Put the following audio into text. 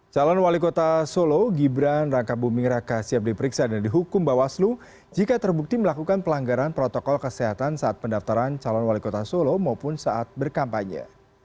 calon wali kota solo gibran raka buming raka siap diperiksa dan dihukum bawaslu jika terbukti melakukan pelanggaran protokol kesehatan saat pendaftaran calon wali kota solo maupun saat berkampanye